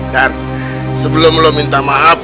gar sebelum lu minta maaf